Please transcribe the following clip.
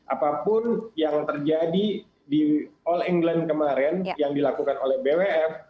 apapun yang terjadi di all england kemarin yang dilakukan oleh bwf